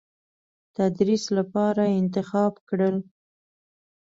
تدریس لپاره انتخاب کړل.